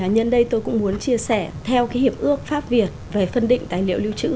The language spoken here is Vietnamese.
nhân đây tôi cũng muốn chia sẻ theo cái hiệp ước pháp việt về phân định tài liệu lưu trữ